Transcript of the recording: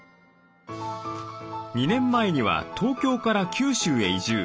２年前には東京から九州へ移住。